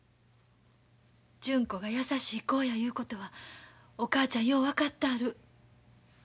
純子が優しい子やいうことはお母ちゃんよう分かったある。